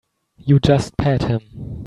You just pat him.